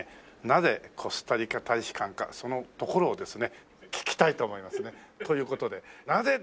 なぜコスタリカ大使館かそのところをですね聞きたいと思いますね。という事でなぜでしょうか？